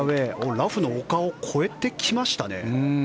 ラフの丘を越えてきましたね。